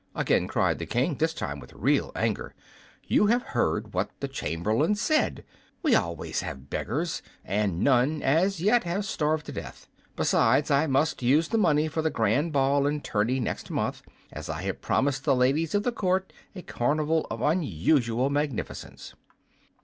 again cried the King, this time with real anger; "you have heard what the Chamberlain said: we always have beggars, and none, as yet, have starved to death. Besides, I must use the money for the grand ball and tourney next month, as I have promised the ladies of the court a carnival of unusual magnificence."